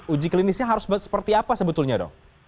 uji klinisnya harus seperti apa sebetulnya dok